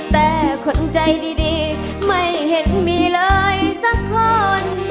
แต่คนใจดีไม่เห็นมีเลยสักคน